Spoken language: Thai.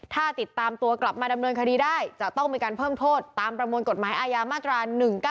ถ้าติดตามตัวกลับมาดำเนินคดีได้จะต้องมีการเพิ่มโทษตามประมวลกฎหมายอาญามาตรา๑๙